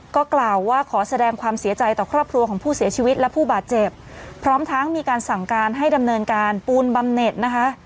ก็กล่าวว่าขอแสดงความเสียใจต่อครอบครัวของผู้เสียชีวิตและผู้บาดเจ็บพร้อมทั้งมีการสั่งการให้ดำเนินการปูนบำเน็ตนะคะ